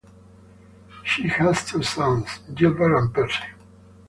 She has two sons, Gilbert and Percy.